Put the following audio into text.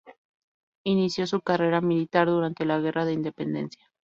Inició su carrera militar durante la guerra de Independencia.